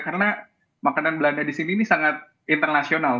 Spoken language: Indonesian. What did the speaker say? karena makanan belanda di sini ini sangat internasional